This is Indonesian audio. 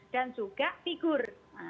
dan juga figur